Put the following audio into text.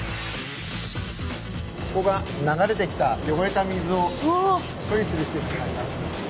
ここが流れてきた汚れた水を処理するしせつとなります。